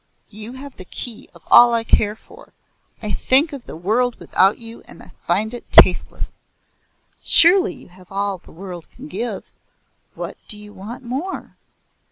You have the key of all I care for. I think of the world without you and find it tasteless." "Surely you have all the world can give? What do you want more?"